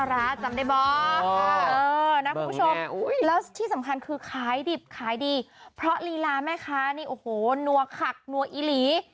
คุณผู้ชมแล้วที่สำคัญคือขายดิบขายดีเพราะลีลาแม่ค้านี่โอ้โหนัวขักนัวอีหลี